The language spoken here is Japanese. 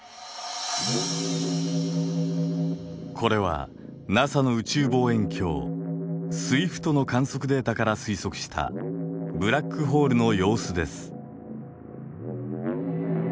これはＮＡＳＡの宇宙望遠鏡スウィフトの観測データから推測したブラックホールの様子です。